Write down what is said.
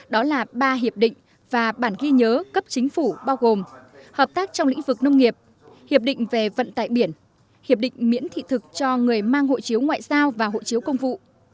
đó là ba hiệp định và bản ghi nhớ cấp chính phủ bao gồm hợp tác trong lĩnh vực nông nghiệp hiệp định về vận tải biển hiệp định miễn thị thực cho người mang hộ chiếu ngoại giao và hộ chiếu công vụ